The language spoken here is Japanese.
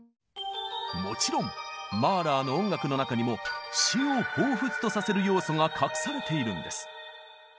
もちろんマーラーの音楽の中にも「死」を彷彿とさせる要素が隠されているんです！